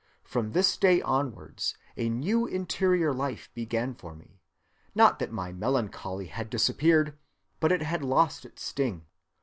From this day onwards a new interior life began for me: not that my melancholy had disappeared, but it had lost its sting.